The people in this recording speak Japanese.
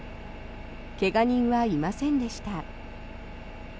怪我人はいませんでした。